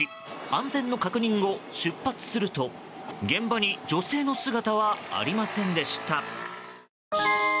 安全の確認後、出発すると現場に、女性の姿はありませんでした。